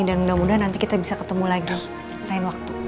dan udah mudah nanti kita bisa ketemu lagi lain waktu